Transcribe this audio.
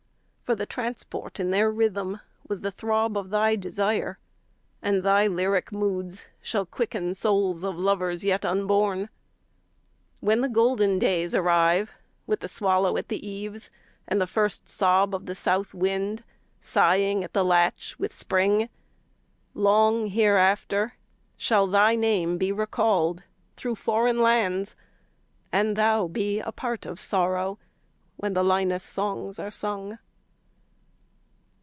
For the transport in their rhythm Was the throb of thy desire, And thy lyric moods shall quicken 35 Souls of lovers yet unborn. When the golden days arrive, With the swallow at the eaves, And the first sob of the south wind Sighing at the latch with spring, 40 Long hereafter shall thy name Be recalled through foreign lands, And thou be a part of sorrow When the Linus songs are sung.